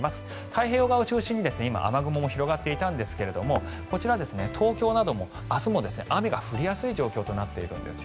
太平洋側を中心に今、雨雲も広がっていたんですがこちら、東京なども明日も雨が降りやすい状況となっているんです。